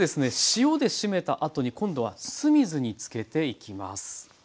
塩でしめたあとに今度は酢水につけていきます。